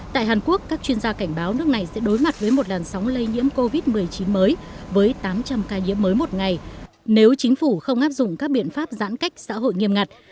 tại hàn quốc các chuyên gia cảnh báo nước này sẽ đối mặt với một làn sóng lây nhiễm covid một mươi chín mới với tám trăm linh ca nhiễm mới một ngày nếu chính phủ không áp dụng các biện pháp giãn cách xã hội nghiêm ngặt